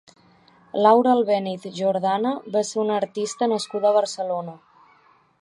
Laura Albéniz Jordana va ser una artista nascuda a Barcelona.